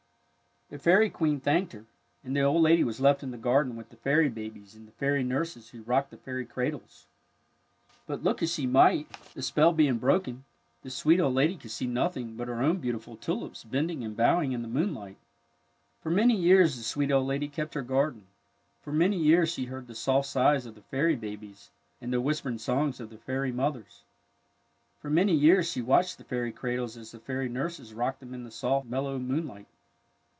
The Fairy Queen thanked her, and the old lady was left in the garden with the fairy babies and the fairy nurses who rocked the fairy cradles. But look as she might, the spell being 38 THE NARCISSUS AND TULIP broken, the sweet old lady could see nothing but her own beautiful tulips bending and bowing in the moonlight. For many years the sweet old lady kept her garden. For many years she heard the soft sighs of the fairy babies and the w^hispering songs of the fairy mothers. For many years she watched the fairy cradles as the fairy nurses rocked them in the soft, mellow moon light.